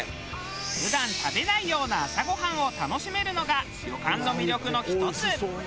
普段食べないような朝ごはんを楽しめるのが旅館の魅力の一つ。